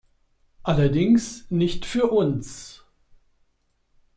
Allerdings nicht für uns.